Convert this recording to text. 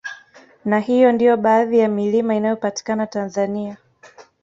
Na hiyo ndiyo baadhi ya milima inayopatikana Tanzania